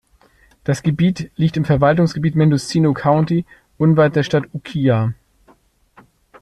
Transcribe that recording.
Das Gebiet liegt im Verwaltungsgebiet Mendocino County unweit der Stadt Ukiah.